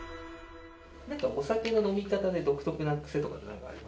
お酒の飲み方で独特な癖とかなんかあります？